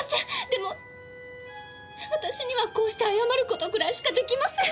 でも私にはこうして謝る事ぐらいしか出来ません。